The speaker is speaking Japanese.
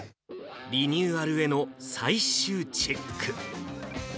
リニューアルへの最終チェック。